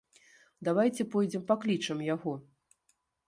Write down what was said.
Давайце пойдзем паклічам яго.